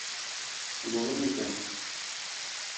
Булырмы икән?